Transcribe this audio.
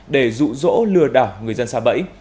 để rụ rỗ lừa đảo người dân xa bẫy